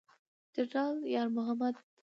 جنرال یار محمد